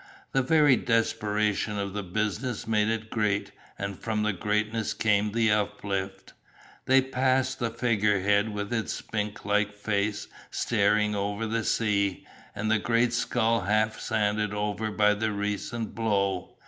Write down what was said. The very desperation of the business made it great, and from the greatness came the uplift. They passed the figure head with its sphinx like face staring over the sea, and the great skull half sanded over by the recent blow.